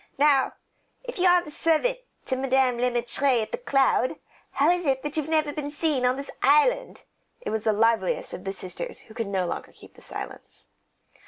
"Now, if you are servant to Madame Le Maître at The Cloud, how is it that you've never been seen on this island?" It was the liveliest of the sisters who could no longer keep silence.